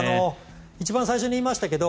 一番最初に言いましたけど